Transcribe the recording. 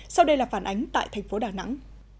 sau đây là phản ánh tại thành phố đà nẵng